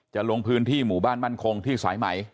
ลงพื้นที่หมู่บ้านมั่นคงที่สายไหม